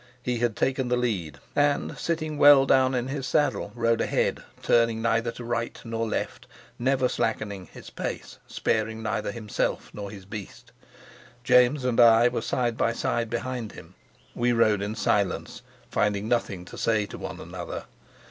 He had taken the lead, and, sitting well down in his saddle, rode ahead, turning neither to right nor left, never slackening his pace, sparing neither himself nor his beast. James and I were side by side behind him. We rode in silence, finding nothing to say to one another.